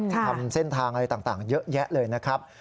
ทำเส้นทางอะไรต่างเยอะแยะเลยนะครับ